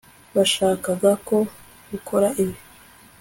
Bashakaga ko ukora ibi